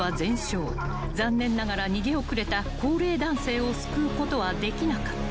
［残念ながら逃げ遅れた高齢男性を救うことはできなかった］